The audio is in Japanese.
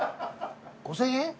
５，０００円？